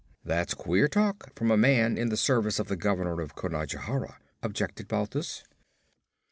'That's queer talk from a man in the service of the Governor of Conajohara,' objected Balthus.